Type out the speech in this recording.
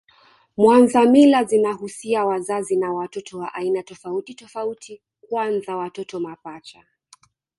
Mwanza mila zinahusui wazazi na watoto wa aina tofauti tofauti kwanza watoto mapacha